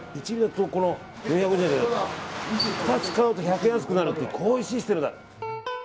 ２つ買うと１００円安くなるっていうシステムだ。